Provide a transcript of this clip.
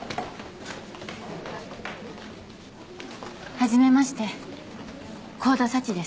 初めまして香田幸です。